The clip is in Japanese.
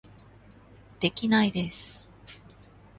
できないです